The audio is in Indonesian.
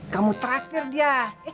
kamu traktir dia